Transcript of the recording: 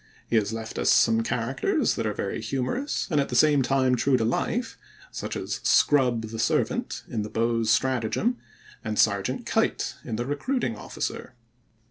He has left us some characters that are very humorous and at the same time true to life, such as Scrub the servant in The Beaux' Stratagem and Sergeant Kite in The Recruiting Officer.